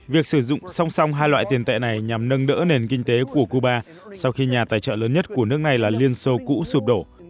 việc sử dụng song song hai loại tiền tệ này nhằm nâng đỡ nền kinh tế của cuba sau khi nhà tài trợ lớn nhất của nước này là liên xô cũ sụp đổ